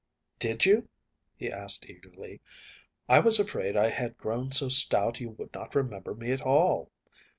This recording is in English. ‚ÄĚ “Did you?‚ÄĚ he asked, eagerly. “I was afraid I had grown so stout you would not remember me at all.